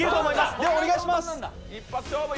ではお願いします。